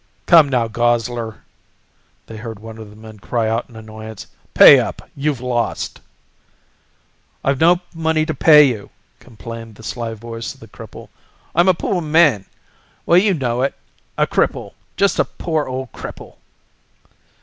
"Come now, Gosler!" they heard one of the men cry out in annoyance, "Pay up you've lost!" "I've no money to pay you," complained the sly voice of the cripple. "I'm a poor man well you know it. A cripple just a poor old cripple!"